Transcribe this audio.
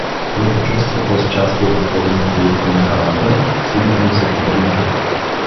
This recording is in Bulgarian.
Той почувствува тозчас благотворното действие на храната: силите му се повърнаха.